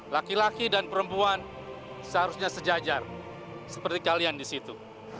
laki laki dan perempuan seharusnya sejajar seperti kalian di situ